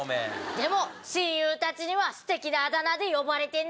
でも親友たちにはステキなあだ名で呼ばれてんだ。